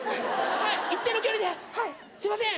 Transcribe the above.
一定の距離ではいすいません。